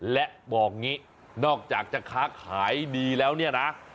และบอกงี้นอกจากจะค้าขายดีแล้วเนี่ยนะ